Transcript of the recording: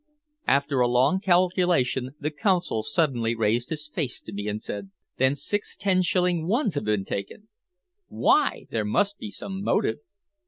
After a long calculation the Consul suddenly raised his face to me and said "Then six ten shilling ones have been taken!" "Why? There must be some motive!"